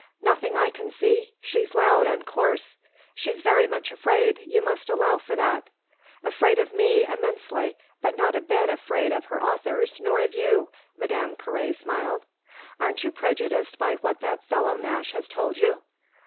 "Nothing I can see. She's loud and coarse." "She's very much afraid. You must allow for that." "Afraid of me, immensely, but not a bit afraid of her authors nor of you!" Madame Carré smiled. "Aren't you prejudiced by what that fellow Nash has told you?"